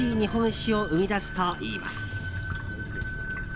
日本酒を生み出すといいます。